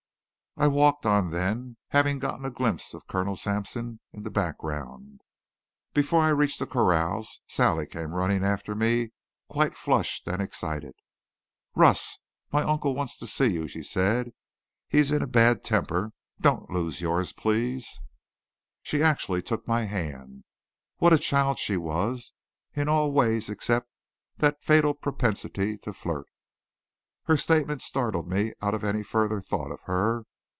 I walked on then, having gotten a glimpse of Colonel Sampson in the background. Before I reached the corrals Sally came running after me, quite flushed and excited. "Russ, my uncle wants to see you," she said. "He's in a bad temper. Don't lose yours, please." She actually took my hand. What a child she was, in all ways except that fatal propensity to flirt. Her statement startled me out of any further thought of her.